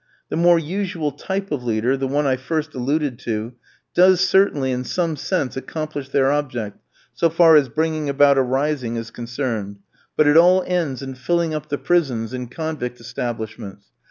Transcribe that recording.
The more usual type of leader, the one I first alluded to, does certainly in some sense accomplish their object, so far as bringing about a rising is concerned; but it all ends in filling up the prisons and convict establishments.